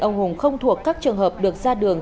ông hùng không thuộc các trường hợp được ra đường